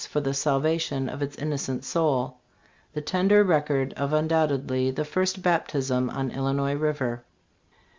15 for the salvation of its innocent soul," the tender record of undoubtedly the first baptism on Illinois river.